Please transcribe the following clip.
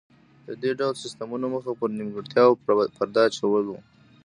د دې ډول سیستمونو موخه پر نیمګړتیاوو پرده اچول و